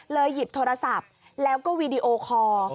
หยิบโทรศัพท์แล้วก็วีดีโอคอร์